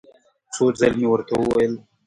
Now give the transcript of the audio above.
څو ځل مې ورته وویل.